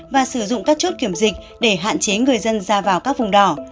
và sử dụng các chốt kiểm dịch để hạn chế người dân ra vào các vùng đỏ